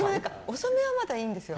遅めはまだいいんですよ。